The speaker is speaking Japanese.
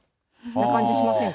感じしませんか？